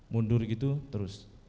mundur gitu terus